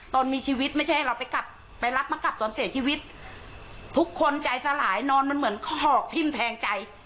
ตอนมีชีวิตไม่ใช่ให้เราไปกลับไปรับมากลับตอนเสียชีวิตทุกคนใจสลายนอนมันเหมือนข้อหอกทิ้มแทงใจ